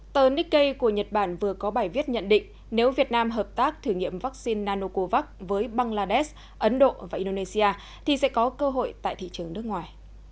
tờ nikkei của nhật bản vừa có bài viết nhận định nếu việt nam hợp tác thử nghiệm vaccine nanocovax với bangladesh ấn độ và indonesia thì sẽ có cơ hội tại thị trường nước ngoài